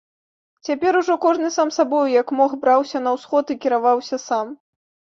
Цяпер ужо кожны сам сабою, як мог, браўся на ўсход і кіраваўся сам.